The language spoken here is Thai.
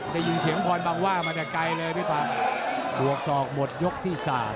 ได้ยื่นเสียงห้อนปล่องว่าอย่างไร